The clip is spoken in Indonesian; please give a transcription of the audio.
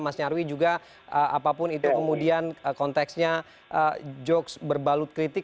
mas nyarwi juga apapun itu kemudian konteksnya jokes berbalut kritik